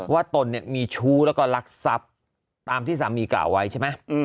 ว่าตนเนี่ยมีชู้แล้วก็ลักษัพตามที่สามีกล่าวไว้ใช่ไหมอืม